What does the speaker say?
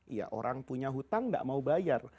ya orang punya hutang nggak mau bayar